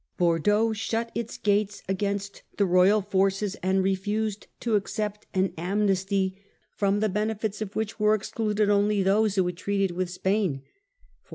57 Bordeaux shut its gates against the royal forces, and refused to accept an amnesty from the benefits of which were excluded only those who had treated with Spain.